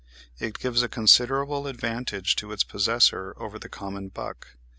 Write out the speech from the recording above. It gives a considerable advantage to its possessor over the common buck.